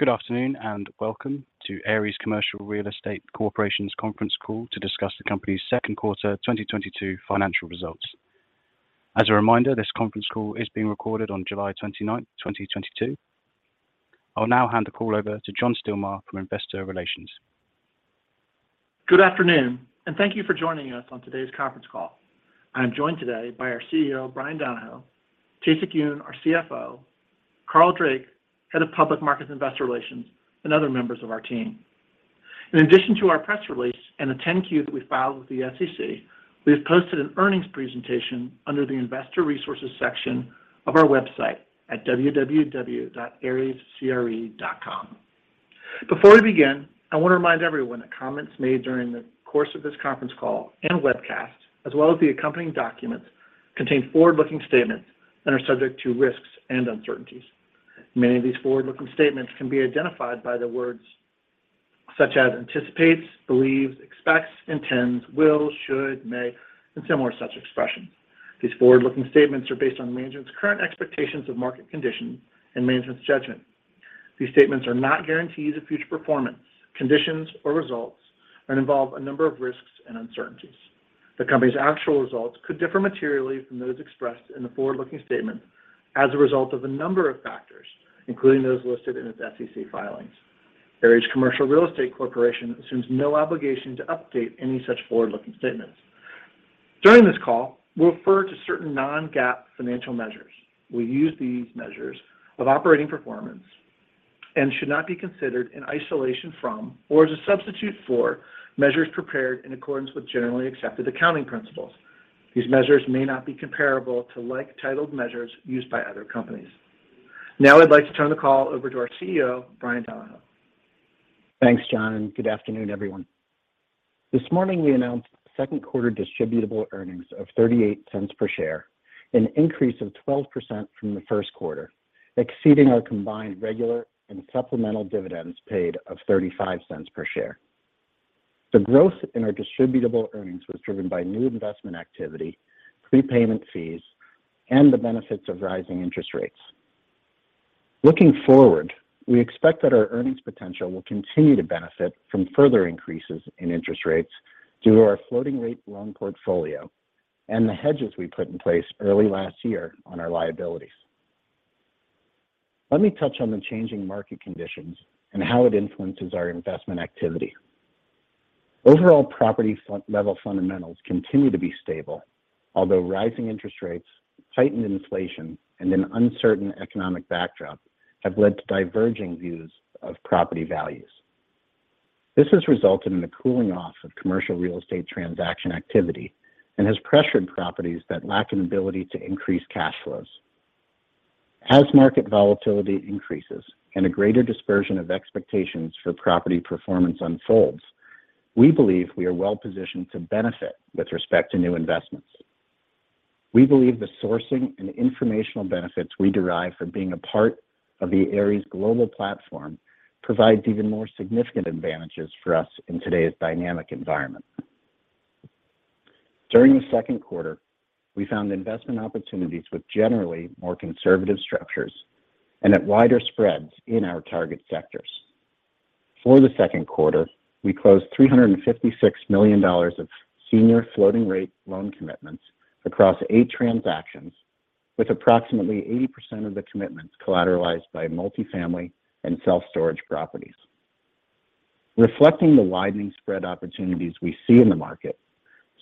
Good afternoon, and welcome to Ares Commercial Real Estate Corporation's conference call to discuss the company's second quarter 2022 financial results. As a reminder, this conference call is being recorded on July 29th, 2022. I'll now hand the call over to John Stilmar from Investor Relations. Good afternoon, and thank you for joining us on today's conference call. I am joined today by our CEO, Bryan Donohoe, Tae-Sik Yoon, our CFO, Carl Drake, Head of Public Markets Investor Relations, and other members of our team. In addition to our press release and the 10-Q that we filed with the SEC, we have posted an earnings presentation under the Investor Resources section of our website at www.arescre.com. Before we begin, I want to remind everyone that comments made during the course of this conference call and webcast, as well as the accompanying documents, contain forward-looking statements and are subject to risks and uncertainties. Many of these forward-looking statements can be identified by the words such as anticipates, believes, expects, intends, will, should, may, and similar such expressions. These forward-looking statements are based on management's current expectations of market conditions and management's judgment. These statements are not guarantees of future performance, conditions, or results and involve a number of risks and uncertainties. The company's actual results could differ materially from those expressed in the forward-looking statement as a result of a number of factors, including those listed in its SEC filings. Ares Commercial Real Estate Corporation assumes no obligation to update any such forward-looking statements. During this call, we'll refer to certain non-GAAP financial measures. We use these measures of operating performance and should not be considered in isolation from or as a substitute for measures prepared in accordance with generally accepted accounting principles. These measures may not be comparable to like titled measures used by other companies. Now I'd like to turn the call over to our CEO, Bryan Donohoe. Thanks, John, and good afternoon, everyone. This morning we announced second quarter distributable earnings of $0.38 per share, an increase of 12% from the first quarter, exceeding our combined regular and supplemental dividends paid of $0.35 per share. The growth in our distributable earnings was driven by new investment activity, prepayment fees, and the benefits of rising interest rates. Looking forward, we expect that our earnings potential will continue to benefit from further increases in interest rates due to our floating rate loan portfolio and the hedges we put in place early last year on our liabilities. Let me touch on the changing market conditions and how it influences our investment activity. Overall property level fundamentals continue to be stable, although rising interest rates, heightened inflation, and an uncertain economic backdrop have led to diverging views of property values. This has resulted in a cooling off of commercial real estate transaction activity and has pressured properties that lack an ability to increase cash flows. As market volatility increases and a greater dispersion of expectations for property performance unfolds, we believe we are well positioned to benefit with respect to new investments. We believe the sourcing and informational benefits we derive from being a part of the Ares global platform provides even more significant advantages for us in today's dynamic environment. During the second quarter, we found investment opportunities with generally more conservative structures and at wider spreads in our target sectors. For the second quarter, we closed $356 million of senior floating rate loan commitments across eight transactions with approximately 80% of the commitments collateralized by multifamily and self-storage properties. Reflecting the widening spread opportunities we see in the market,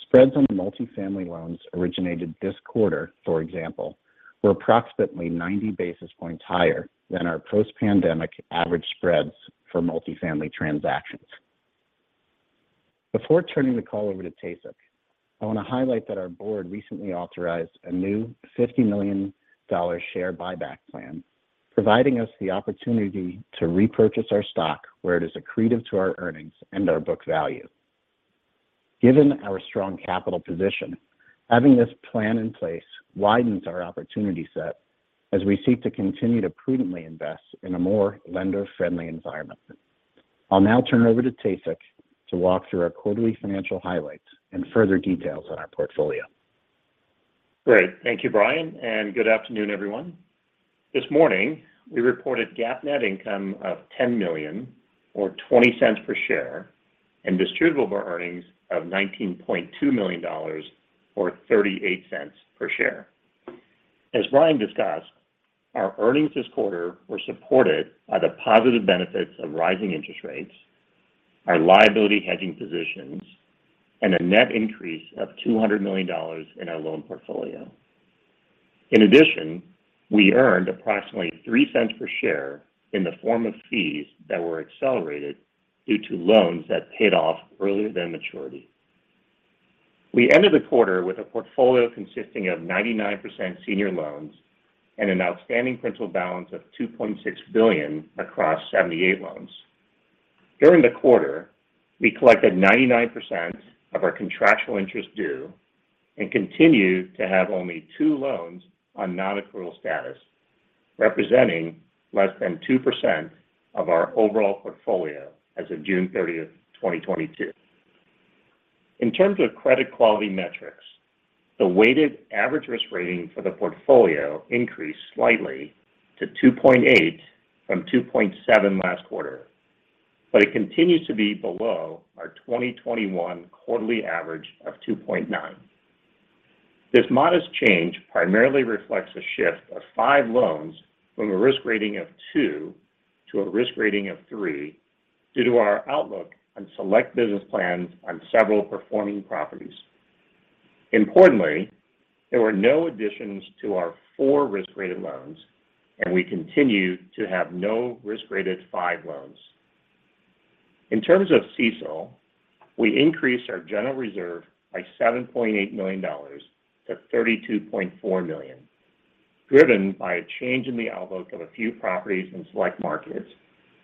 spreads on multifamily loans originated this quarter, for example, were approximately 90 basis points higher than our post-pandemic average spreads for multifamily transactions. Before turning the call over to Tae-Sik, I want to highlight that our board recently authorized a new $50 million share buyback plan, providing us the opportunity to repurchase our stock where it is accretive to our earnings and our book value. Given our strong capital position, having this plan in place widens our opportunity set as we seek to continue to prudently invest in a more lender-friendly environment. I'll now turn it over to Tae-Sik to walk through our quarterly financial highlights and further details on our portfolio. Great. Thank you, Bryan, and good afternoon, everyone. This morning we reported GAAP net income of $10 million or $0.20 per share and distributable earnings of $19.2 million or $0.38 per share. As Bryan discussed, our earnings this quarter were supported by the positive benefits of rising interest rates, our liability hedging positions, and a net increase of $200 million in our loan portfolio. In addition, we earned approximately $0.03 per share in the form of fees that were accelerated due to loans that paid off earlier than maturity. We ended the quarter with a portfolio consisting of 99% senior loans and an outstanding principal balance of $2.6 billion across 78 loans. During the quarter, we collected 99% of our contractual interest due and continue to have only two loans on non-accrual status, representing less than 2% of our overall portfolio as of June 30th, 2022. In terms of credit quality metrics, the weighted average risk rating for the portfolio increased slightly to 2.8 from 2.7 last quarter. It continues to be below our 2021 quarterly average of 2.9. This modest change primarily reflects a shift of five loans from a risk rating of two to a risk rating of three due to our outlook on select business plans on several performing properties. Importantly, there were no additions to our four risk-rated loans, and we continue to have no risk-rated five loans. In terms of CECL, we increased our general reserve by $7.8 million-$32.4 million, driven by a change in the outlook of a few properties in select markets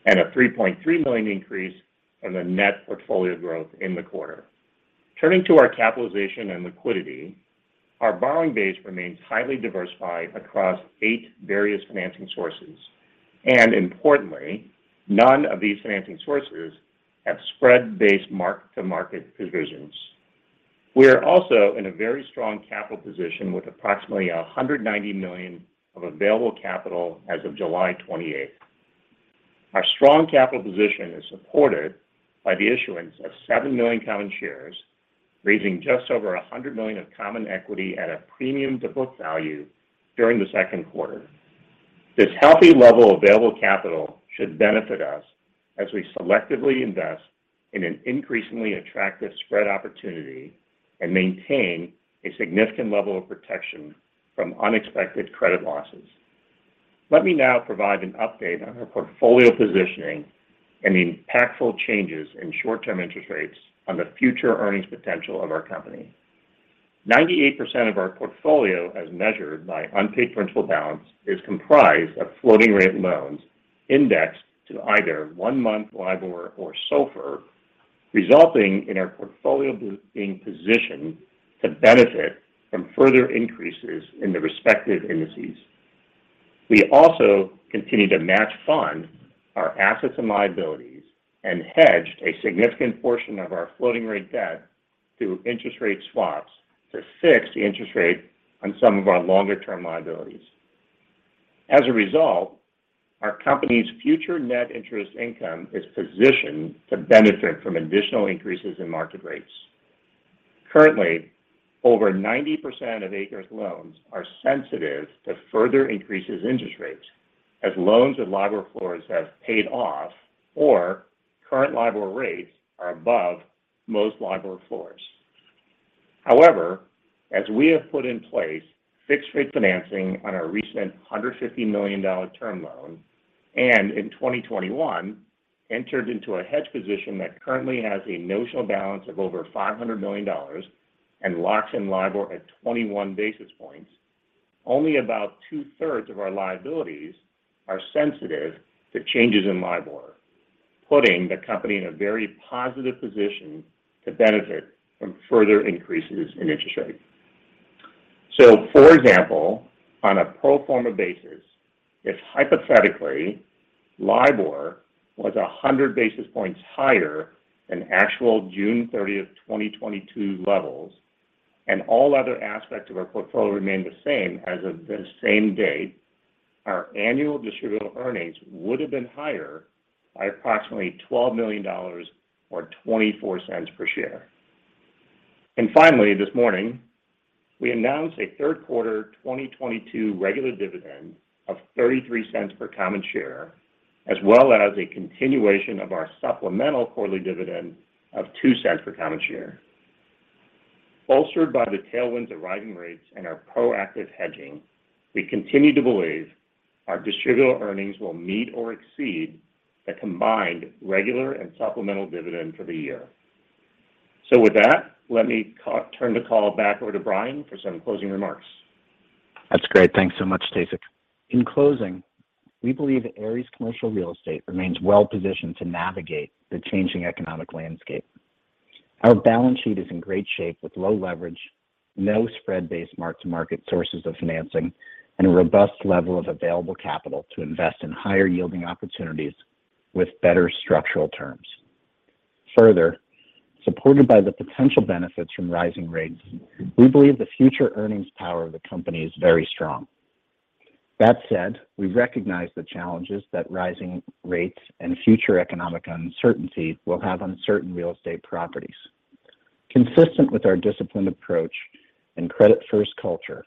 and a $3.3 million increase from the net portfolio growth in the quarter. Turning to our capitalization and liquidity, our borrowing base remains highly diversified across eight various financing sources. Importantly, none of these financing sources have spread-based mark-to-market provisions. We are also in a very strong capital position with approximately $190 million of available capital as of July 28. Our strong capital position is supported by the issuance of 7 million common shares, raising just over $100 million of common equity at a premium to book value during the second quarter. This healthy level of available capital should benefit us as we selectively invest in an increasingly attractive spread opportunity and maintain a significant level of protection from unexpected credit losses. Let me now provide an update on our portfolio positioning and the impactful changes in short-term interest rates on the future earnings potential of our company. 98% of our portfolio as measured by unpaid principal balance is comprised of floating-rate loans indexed to either one-month LIBOR or SOFR, resulting in our portfolio being positioned to benefit from further increases in the respective indices. We also continue to match fund our assets and liabilities and hedged a significant portion of our floating-rate debt through interest rate swaps to fix the interest rate on some of our longer-term liabilities. As a result, our company's future net interest income is positioned to benefit from additional increases in market rates. Currently, over 90% of Ares loans are sensitive to further increases in interest rates as loans with LIBOR floors have paid off or current LIBOR rates are above most LIBOR floors. However, as we have put in place fixed-rate financing on our recent $150 million term loan, and in 2021 entered into a hedge position that currently has a notional balance of over $500 million and locks in LIBOR at 21 basis points, only about 2/3 of our liabilities are sensitive to changes in LIBOR, putting the company in a very positive position to benefit from further increases in interest rates. For example, on a pro forma basis, if hypothetically LIBOR was 100 basis points higher than actual June 30th, 2022 levels and all other aspects of our portfolio remained the same as of the same day, our annual Distributable Earnings would have been higher by approximately $12 million or $0.24 per share. Finally, this morning we announced a third quarter 2022 regular dividend of $0.33 per common share, as well as a continuation of our supplemental quarterly dividend of $0.02 per common share. Bolstered by the tailwinds of rising rates and our proactive hedging, we continue to believe our Distributable Earnings will meet or exceed the combined regular and supplemental dividend for the year. With that, let me turn the call back over to Bryan for some closing remarks. That's great. Thanks so much, Tae-Sik. In closing, we believe Ares Commercial Real Estate remains well positioned to navigate the changing economic landscape. Our balance sheet is in great shape with low leverage, no spread-based mark-to-market sources of financing, and a robust level of available capital to invest in higher-yielding opportunities with better structural terms. Further, supported by the potential benefits from rising rates, we believe the future earnings power of the company is very strong. That said, we recognize the challenges that rising rates and future economic uncertainty will have on certain real estate properties. Consistent with our disciplined approach and credit-first culture,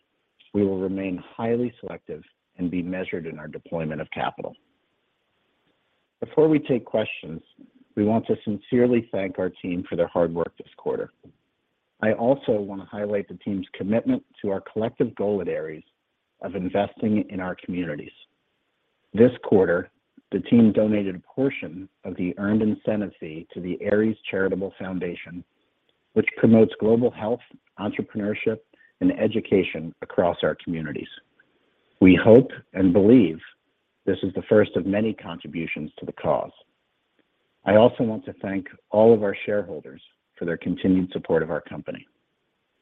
we will remain highly selective and be measured in our deployment of capital. Before we take questions, we want to sincerely thank our team for their hard work this quarter. I also want to highlight the team's commitment to our collective goal at Ares of investing in our communities. This quarter, the team donated a portion of the earned incentive fee to the Ares Charitable Foundation, which promotes global health, entrepreneurship, and education across our communities. We hope and believe this is the first of many contributions to the cause. I also want to thank all of our shareholders for their continued support of our company.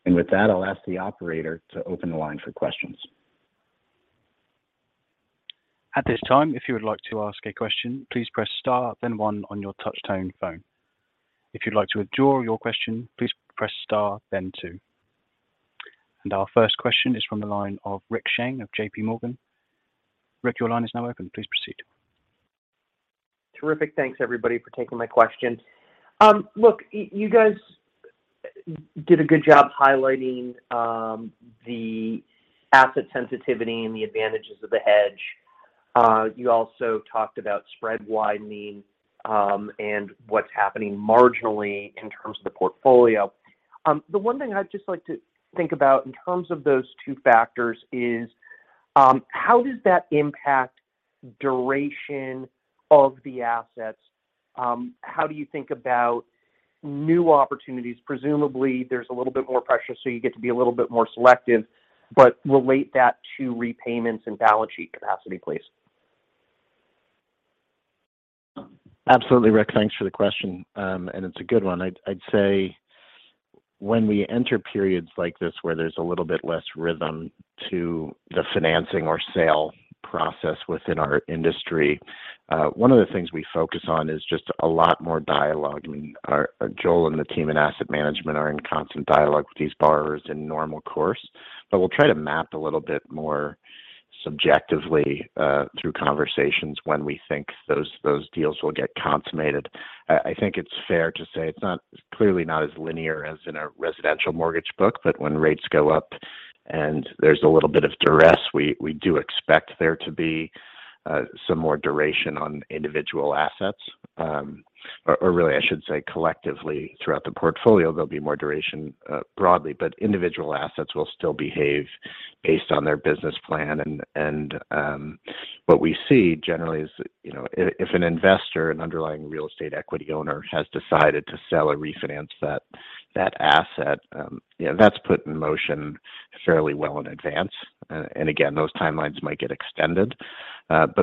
With that, I'll ask the operator to open the line for questions. At this time, if you would like to ask a question, please press star then one on your touch tone phone. If you'd like to withdraw your question, please press star then two. Our first question is from the line of Rick Shane of JPMorgan. Rick, your line is now open. Please proceed. Terrific. Thanks everybody for taking my question. Look, you guys did a good job highlighting the asset sensitivity and the advantages of the hedge. You also talked about spread widening and what's happening marginally in terms of the portfolio. The one thing I'd just like to think about in terms of those two factors is how does that impact duration of the assets? How do you think about new opportunities? Presumably there's a little bit more pressure, so you get to be a little bit more selective, but relate that to repayments and balance sheet capacity, please. Absolutely, Rick. Thanks for the question. It's a good one. I'd say when we enter periods like this where there's a little bit less rhythm to the financing or sale process within our industry, one of the things we focus on is just a lot more dialogue. I mean, our Joel and the team in asset management are in constant dialogue with these borrowers in normal course. We'll try to map a little bit more subjectively through conversations when we think those deals will get consummated. I think it's fair to say it's clearly not as linear as in a residential mortgage book, but when rates go up and there's a little bit of duress, we do expect there to be some more duration on individual assets. Really I should say collectively throughout the portfolio, there'll be more duration broadly. Individual assets will still behave based on their business plan. What we see generally is, you know, if an investor, an underlying real estate equity owner, has decided to sell or refinance that asset, you know, that's put in motion fairly well in advance. Again, those timelines might get extended.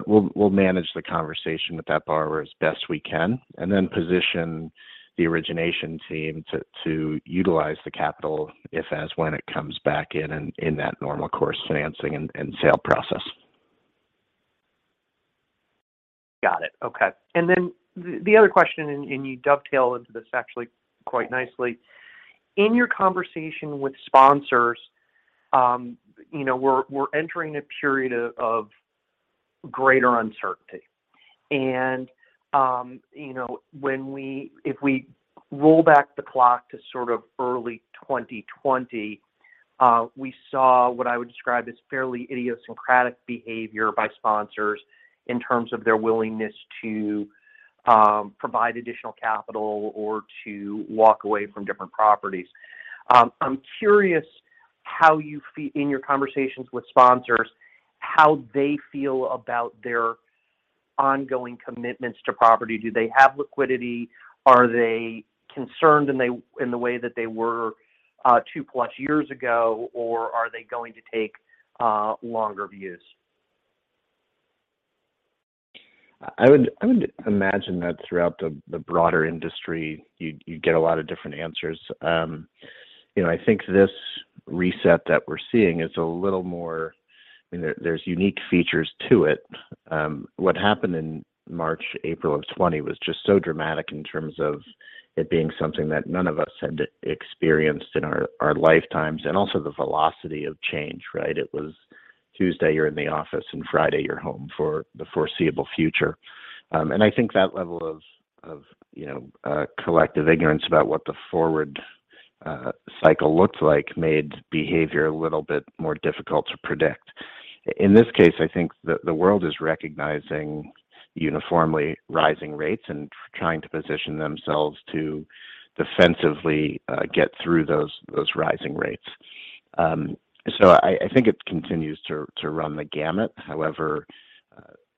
We'll manage the conversation with that borrower as best we can, and then position the origination team to utilize the capital if, as, when it comes back in that normal course financing and sale process. Got it. Okay. Then the other question, and you dovetail into this actually quite nicely. In your conversation with sponsors, you know, we're entering a period of greater uncertainty. You know, if we roll back the clock to sort of early 2020, we saw what I would describe as fairly idiosyncratic behavior by sponsors in terms of their willingness to provide additional capital or to walk away from different properties. I'm curious how you feel in your conversations with sponsors, how they feel about their ongoing commitments to property. Do they have liquidity? Are they concerned in the way that they were 2+ years ago, or are they going to take longer views? I would imagine that throughout the broader industry, you'd get a lot of different answers. You know, I think this reset that we're seeing is a little more. I mean, there's unique features to it. What happened in March, April of 2020 was just so dramatic in terms of it being something that none of us had experienced in our lifetimes, and also the velocity of change, right? It was Tuesday, you're in the office and Friday, you're home for the foreseeable future. I think that level of you know, collective ignorance about what the forward cycle looked like made behavior a little bit more difficult to predict. In this case, I think the world is recognizing uniformly rising rates and trying to position themselves to defensively get through those rising rates. I think it continues to run the gamut. However,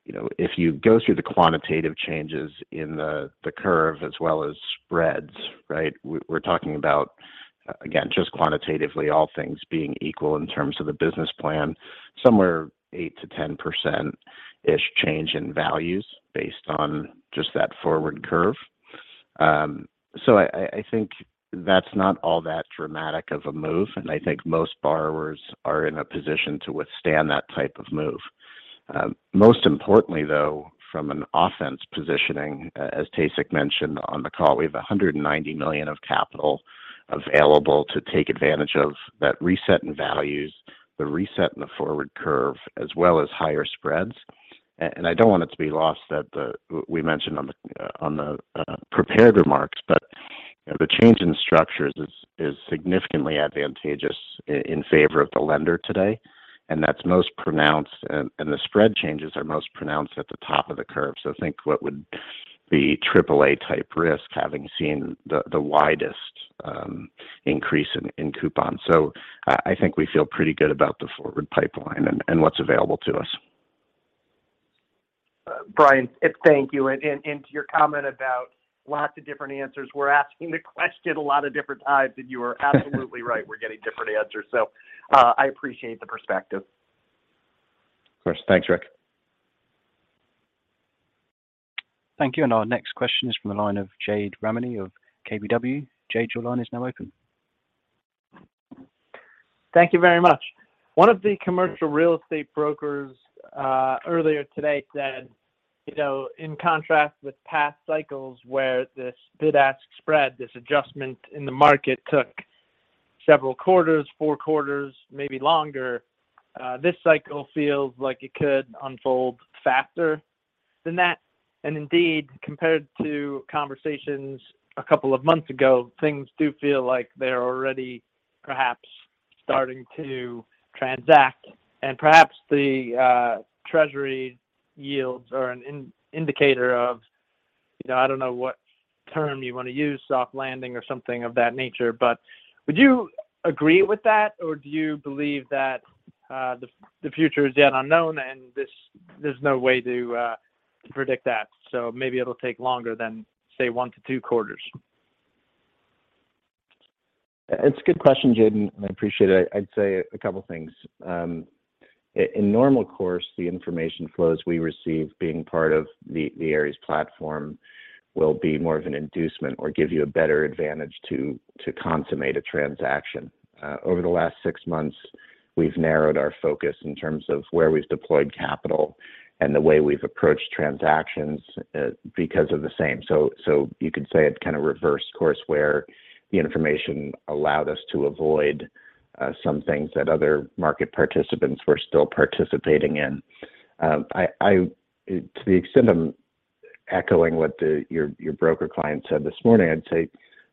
you know, if you go through the quantitative changes in the curve as well as spreads, right? We're talking about, just quantitatively all things being equal in terms of the business plan, somewhere 8%-10%ish change in values based on just that forward curve. I think that's not all that dramatic of a move, and I think most borrowers are in a position to withstand that type of move. Most importantly, though, from an offensive positioning, as Tae-Sik mentioned on the call, we have $190 million of capital available to take advantage of that reset in values, the reset in the forward curve, as well as higher spreads. I don't want it to be lost that the. We mentioned on the prepared remarks, but you know, the change in structures is significantly advantageous in favor of the lender today, and that's most pronounced and the spread changes are most pronounced at the top of the curve. Think what would be triple-A type risk having seen the widest increase in coupons. I think we feel pretty good about the forward pipeline and what's available to us. Bryan, thank you. To your comment about lots of different answers, we're asking the question a lot of different times, and you are absolutely right. We're getting different answers. I appreciate the perspective. Of course. Thanks, Rick. Thank you. Our next question is from the line of Jade Rahmani of KBW. Jade, your line is now open. Thank you very much. One of the commercial real estate brokers earlier today said, you know, in contrast with past cycles where this bid-ask spread, this adjustment in the market took several quarters, four quarters, maybe longer, this cycle feels like it could unfold faster than that. Indeed, compared to conversations a couple of months ago, things do feel like they're already perhaps starting to transact. Perhaps the treasury yields are an indicator of, you know, I don't know what term you wanna use, soft landing or something of that nature. Would you agree with that, or do you believe that the future is yet unknown and this there's no way to predict that, so maybe it'll take longer than, say, one to two quarters? It's a good question, Jade. I appreciate it. I'd say a couple things. In normal course, the information flows we receive being part of the Ares platform will be more of an inducement or give you a better advantage to consummate a transaction. Over the last six months, we've narrowed our focus in terms of where we've deployed capital and the way we've approached transactions because of the same. You could say it kind of reversed course, where the information allowed us to avoid some things that other market participants were still participating in. To the extent I'm echoing what your broker client said this morning, I'd say,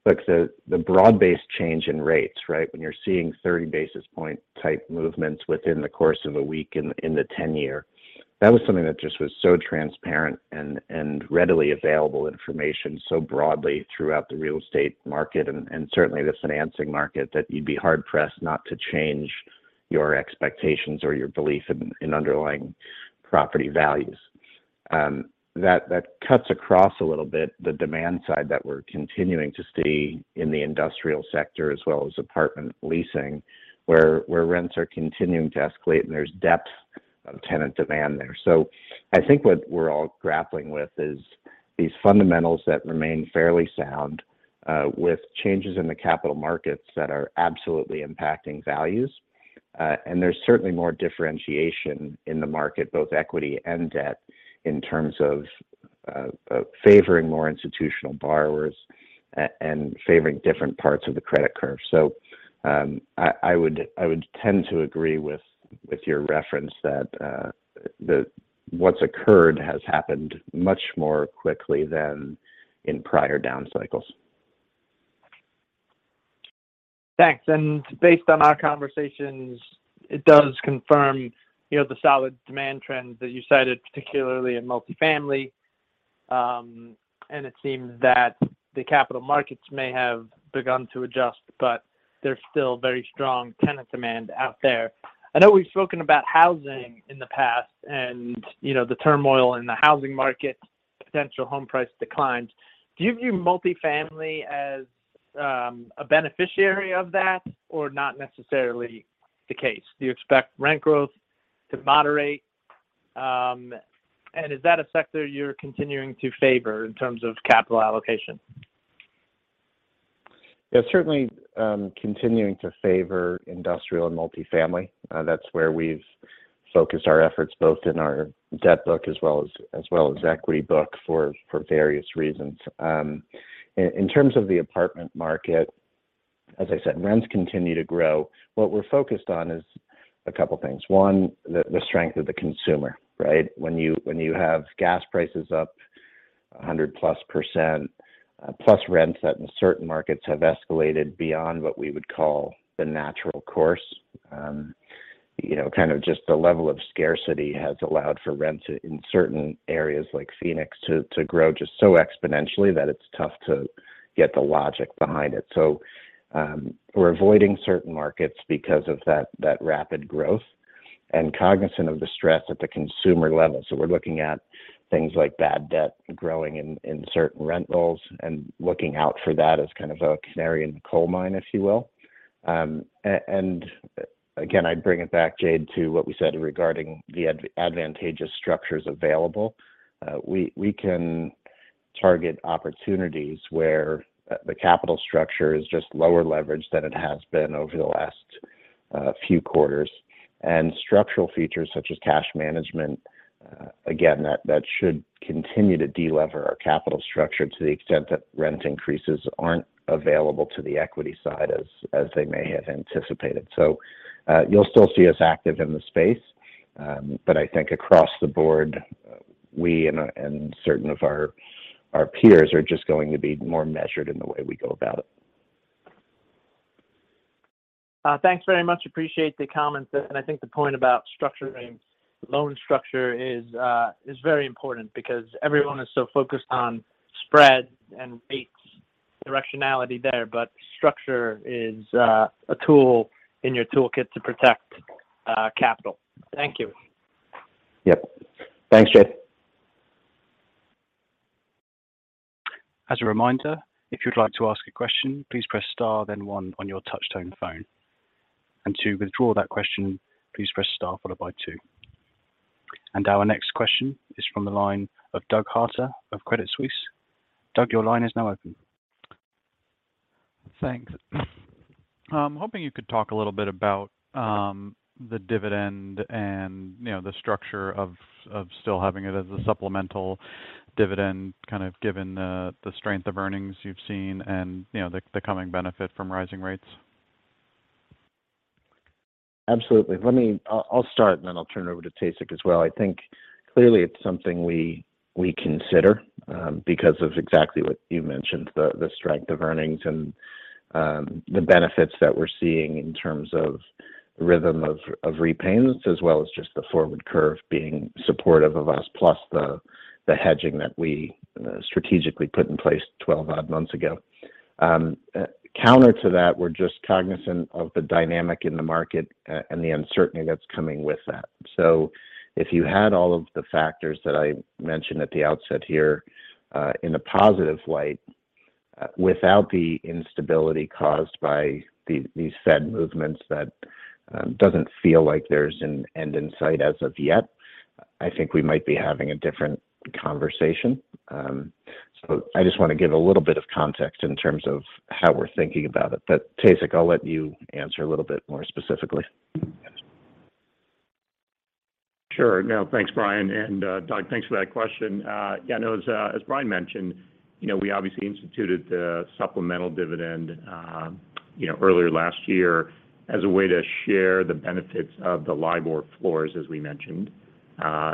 look, the broad-based change in rates, right? When you're seeing 30-basis-point-type movements within the course of a week in the 10-year, that was something that just was so transparent and readily available information so broadly throughout the real estate market and certainly the financing market that you'd be hard pressed not to change your expectations or your belief in underlying property values. That cuts across a little bit the demand side that we're continuing to see in the industrial sector as well as apartment leasing, where rents are continuing to escalate and there's depth of tenant demand there. I think what we're all grappling with is these fundamentals that remain fairly sound with changes in the capital markets that are absolutely impacting values. There's certainly more differentiation in the market, both equity and debt, in terms of favoring more institutional borrowers and favoring different parts of the credit curve. I would tend to agree with your reference that what's occurred has happened much more quickly than in prior down cycles. Thanks. Based on our conversations, it does confirm, you know, the solid demand trends that you cited, particularly in multifamily. It seems that the capital markets may have begun to adjust, but there's still very strong tenant demand out there. I know we've spoken about housing in the past and, you know, the turmoil in the housing market, potential home price declines. Do you view multifamily as a beneficiary of that, or not necessarily the case? Do you expect rent growth to moderate? Is that a sector you're continuing to favor in terms of capital allocation? Yeah, certainly, continuing to favor industrial and multifamily. That's where we've focused our efforts both in our debt book as well as equity book for various reasons. In terms of the apartment market, as I said, rents continue to grow. What we're focused on is a couple things. One, the strength of the consumer, right? When you have gas prices up 100+%, plus rents that in certain markets have escalated beyond what we would call the natural course. You know, kind of just the level of scarcity has allowed for rents in certain areas like Phoenix to grow just so exponentially that it's tough to get the logic behind it. So, we're avoiding certain markets because of that rapid growth and cognizant of the stress at the consumer level. We're looking at things like bad debt growing in certain rentals and looking out for that as kind of a canary in the coal mine, if you will. Again, I bring it back, Jade, to what we said regarding the advantageous structures available. We can target opportunities where the capital structure is just lower leverage than it has been over the last few quarters. Structural features such as cash management again that should continue to de-lever our capital structure to the extent that rent increases aren't available to the equity side as they may have anticipated. You'll still see us active in the space. But I think across the board, we and certain of our peers are just going to be more measured in the way we go about it. Thanks very much. Appreciate the comments. I think the point about structuring loan structure is very important because everyone is so focused on spread and rates, directionality there, but structure is a tool in your toolkit to protect capital. Thank you. Yep. Thanks, Jade. As a reminder, if you'd like to ask a question, please press star then one on your touch tone phone. To withdraw that question, please press star followed by two. Our next question is from the line of Douglas Harter of Credit Suisse. Doug, your line is now open. Thanks. Hoping you could talk a little bit about the dividend and, you know, the structure of still having it as a supplemental dividend, kind of given the strength of earnings you've seen and, you know, the coming benefit from rising rates. Absolutely. Let me, I'll start, and then I'll turn it over to Tae-Sik as well. I think clearly it's something we consider, because of exactly what you mentioned, the strength of earnings and, the benefits that we're seeing in terms of the rhythm of repays, as well as just the forward curve being supportive of us, plus the hedging that we strategically put in place 12 odd months ago. Counter to that, we're just cognizant of the dynamic in the market and the uncertainty that's coming with that. If you had all of the factors that I mentioned at the outset here, in a positive light, without the instability caused by these Fed movements that doesn't feel like there's an end in sight as of yet, I think we might be having a different conversation. I just wanna give a little bit of context in terms of how we're thinking about it. Tae-Sik, I'll let you answer a little bit more specifically. Sure. No, thanks, Bryan. Doug, thanks for that question. Yeah, no, as Bryan mentioned, you know, we obviously instituted the supplemental dividend, you know, earlier last year as a way to share the benefits of the LIBOR floors, as we mentioned.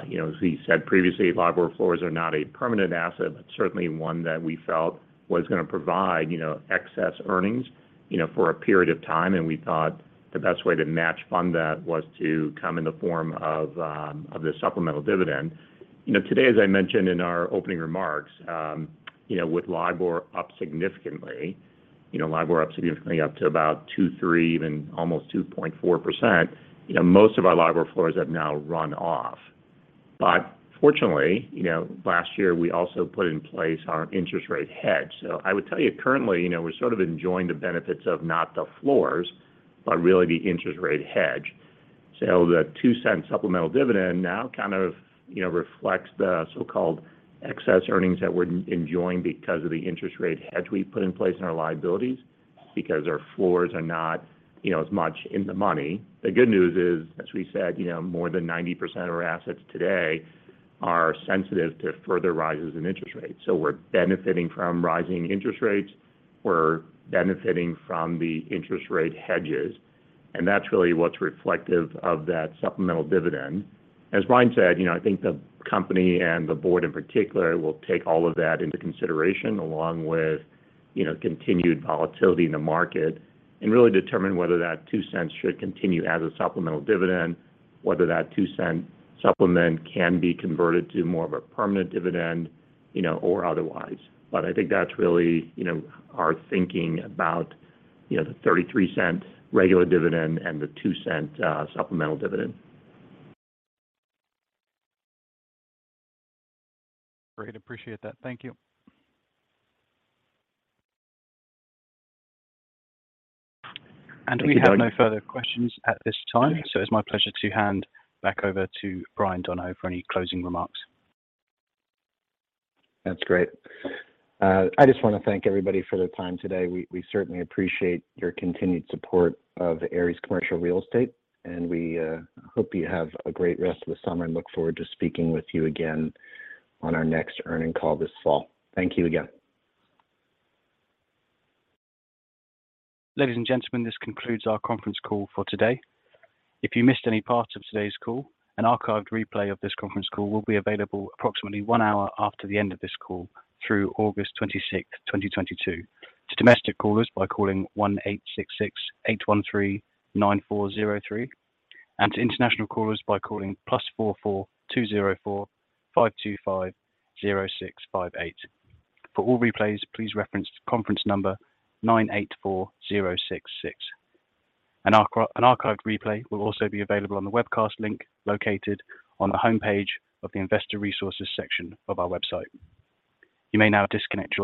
You know, as we said previously, LIBOR floors are not a permanent asset. It's certainly one that we felt was gonna provide, you know, excess earnings, you know, for a period of time. We thought the best way to match fund that was to come in the form of the supplemental dividend. You know, today, as I mentioned in our opening remarks, you know, with LIBOR up significantly, you know, LIBOR up significantly to about 2.3, even almost 2.4%, you know, most of our LIBOR floors have now run off. Fortunately, you know, last year, we also put in place our interest rate hedge. I would tell you currently, you know, we're sort of enjoying the benefits of not the floors, but really the interest rate hedge. The $0.02 supplemental dividend now kind of, you know, reflects the so-called excess earnings that we're enjoying because of the interest rate hedge we put in place in our liabilities because our floors are not, you know, as much in the money. The good news is, as we said, you know, more than 90% of our assets today are sensitive to further rises in interest rates. We're benefiting from rising interest rates. We're benefiting from the interest rate hedges. And that's really what's reflective of that supplemental dividend. As Bryan said, you know, I think the company and the board in particular will take all of that into consideration along with, you know, continued volatility in the market and really determine whether that $0.02 should continue as a supplemental dividend, whether that $0.02 supplement can be converted to more of a permanent dividend, you know, or otherwise. I think that's really, you know, our thinking about, you know, the $0.33 regular dividend and the $0.02 supplemental dividend. Great. Appreciate that. Thank you. We have no further questions at this time. It's my pleasure to hand back over to Bryan Donohoe for any closing remarks. That's great. I just wanna thank everybody for their time today. We certainly appreciate your continued support of Ares Commercial Real Estate, and we hope you have a great rest of the summer and look forward to speaking with you again on our next earnings call this fall. Thank you again. Ladies and gentlemen, this concludes our conference call for today. If you missed any part of today's call, an archived replay of this conference call will be available approximately one hour after the end of this call through August 26, 2022. To domestic callers by calling 1-866-813-9403, and to international callers by calling +44-20-4525-0658. For all replays, please reference conference number 984-066. An archived replay will also be available on the webcast link located on the homepage of the Investor Resources section of our website. You may now disconnect your lines.